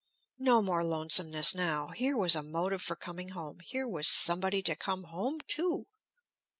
No more lonesomeness now. Here was a motive for coming home; here was somebody to come home to!